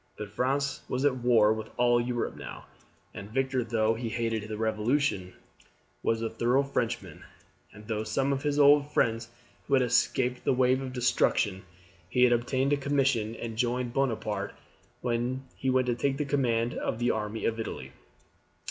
But France was at war with all Europe now, and Victor, though he hated the revolution, was a thorough Frenchman, and through some of his old friends who had escaped the wave of destruction, he had obtained a commission, and joined Bonaparte when he went to take the command of the army of Italy.